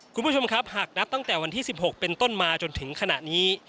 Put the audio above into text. คุณผู้ชมครับหากนับตั้งแต่วันที่๑๖เป็นต้นมาจนถึงขณะนี้